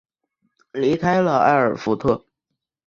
离开了艾尔福特。